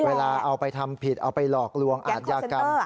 เวลาเอาไปทำผิดเอาไปหลอกลวงอาทยากรรม